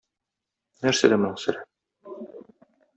Нәрсәдә моның сере?